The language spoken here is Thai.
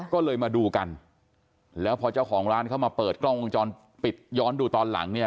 ก็เลยมาดูกันแล้วพอเจ้าของร้านเข้ามาเปิดกล้องวงจรปิดย้อนดูตอนหลังเนี่ย